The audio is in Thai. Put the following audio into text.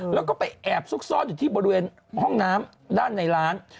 แล้วก็ไปแอบซุกซ่อนอยู่ที่บริเวณห้องน้ำด้านในร้าน